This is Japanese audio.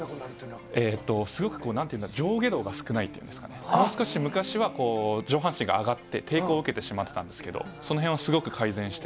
すごく、なんていうのかな、上下動が少ないっていうんですかね、もう少し、昔は上半身が上がって抵抗を受けてしまってたんですけど、そのへんをすごく改善して。